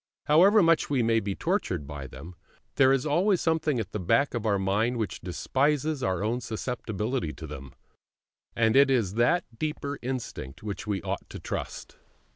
However much we may be tortured by them, there is always something at the back of our mind which despises our own susceptibility to them; and it is that deeper instinct which we ought to trust.